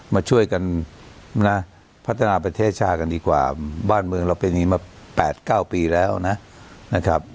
มาช่วยกันนะพัฒนาประเทศชาติกันดีกว่าบ้านเมืองเราเป็นอย่างนี้มา๘๙ปีแล้วนะครับ